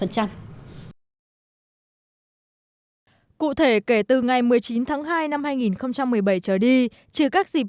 cụ thể kể từ ngày một mươi chín tháng hai năm hai nghìn một mươi bảy trở đi